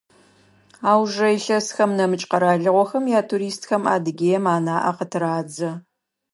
Аужрэ илъэсхэм нэмыкӏ къэралыгъохэм ятуристхэм Адыгеим анаӏэ къытырадзэ.